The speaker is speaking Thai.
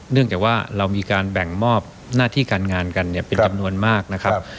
จากว่าเรามีการแบ่งมอบหน้าที่การงานกันเนี่ยเป็นจำนวนมากนะครับ